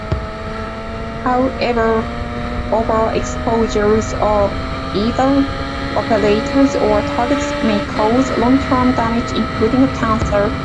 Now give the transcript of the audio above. However, overexposures of either operators or targets may cause long-term damage including cancer.